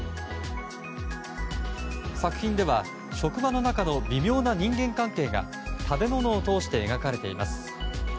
作品では職場の中の微妙な人間関係が食べ物を通して描かれています。